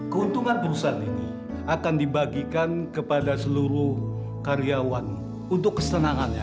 keuntungan perusahaan ini akan dibagikan kepada seluruh karyawan untuk kesenangannya